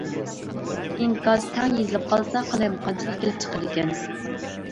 ئىنكاس تەڭ يېزىلىپ قالسا قالايمىقانچىلىق كېلىپ چىقىدىكەن.